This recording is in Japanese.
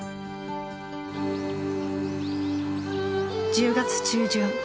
１０月中旬。